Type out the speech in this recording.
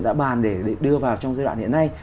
đã bàn để đưa vào trong giai đoạn hiện nay